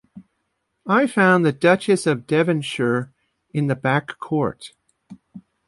I found the Duchess of Devonshire in the Back Court